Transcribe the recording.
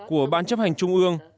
của ban chấp hành trung ương